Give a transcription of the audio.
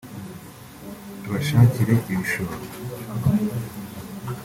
tubashakire ibishoro